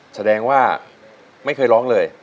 แสดงว่าไม่เคยร้องเลย